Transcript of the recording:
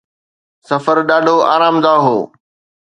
سفر ڏاڍو آرامده هو.